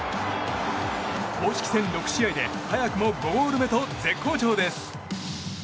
公式戦６試合で早くも５ゴール目と絶好調です。